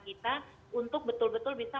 kita untuk betul betul bisa